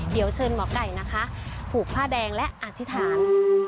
เดี๋ยวเชิญหมอไก่นะคะผูกผ้าแดงและอธิษฐาน